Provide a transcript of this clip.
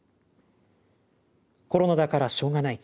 コロナだからしょうがない